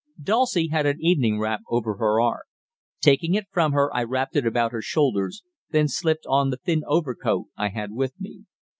Dulcie had an evening wrap over her arm. Taking it from her, I wrapped it about her shoulders, then slipped on the thin overcoat I had with me.